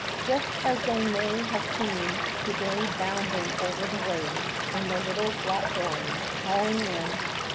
Just as they may be seen to day bounding over the waves in their little black dories, hauling in